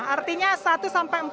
artinya satu sampai empat